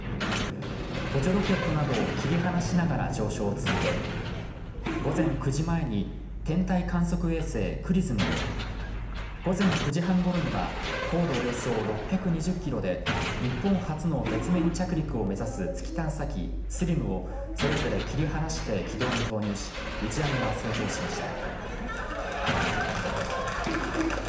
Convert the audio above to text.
補助ロケットなどを切り離しながら上昇を続け午前９時前に天体観測衛星ＸＲＩＳＭを午前９時半ごろには高度およそ６２０キロで日本初の月面着陸を目指す月探査機ＳＬＩＭをそれぞれ切り離して軌道に投入し打ち上げは成功しました。